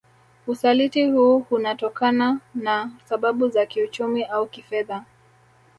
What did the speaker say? Usaliti huu hunatokana na sababu za kiuchumi au kifedha